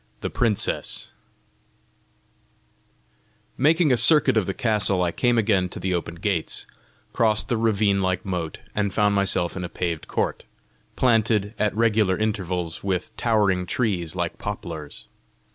THE PRINCESS Making a circuit of the castle, I came again to the open gates, crossed the ravine like moat, and found myself in a paved court, planted at regular intervals with towering trees like poplars.